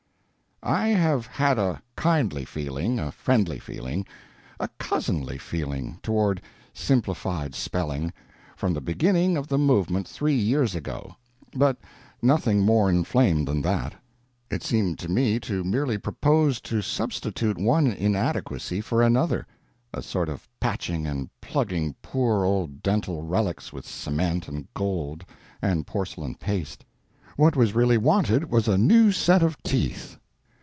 I have had a kindly feeling, a friendly feeling, a cousinly feeling toward Simplified Spelling, from the beginning of the movement three years ago, but nothing more inflamed than that. It seemed to me to merely propose to substitute one inadequacy for another; a sort of patching and plugging poor old dental relics with cement and gold and porcelain paste; what was really wanted was a new set of teeth.